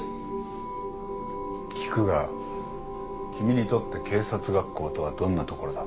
聞くが君にとって警察学校とはどんな所だ？